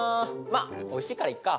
まあおいしいからいっか。